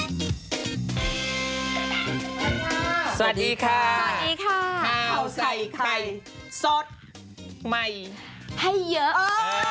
สวัสดีค่ะสวัสดีค่ะข้าวใส่ไข่สดใหม่ให้เยอะ